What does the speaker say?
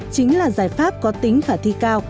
chính là giải pháp có tính phải thi cao